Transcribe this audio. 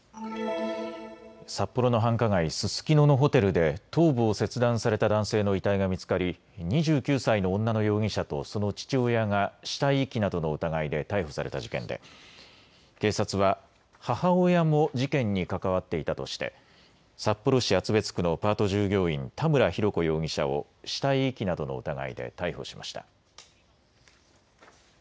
札幌の繁華街、ススキノのホテルで頭部を切断された男性の遺体が見つかり、２９歳の女の容疑者とその父親が死体遺棄などの疑いで逮捕された事件で警察は母親も事件に関わっていたとして札幌市厚別区のパート従業員、田村浩子容疑者を死体遺棄などの疑いで逮捕しました。